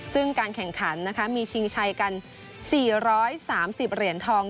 ซึ่งการแข่งขันมีชิงชัยกัน๔๓๐เหรียญทอง